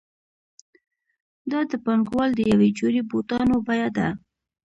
دا د پانګوال د یوې جوړې بوټانو بیه ده